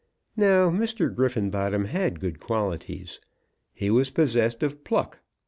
Now Mr. Griffenbottom had good qualities. He was possessed of pluck.